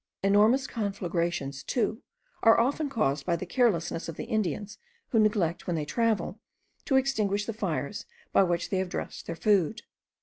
Enormous conflagrations, too, are often caused by the carelessness of the Indians, who neglect, when they travel, to extinguish the fires by which they have dressed their food.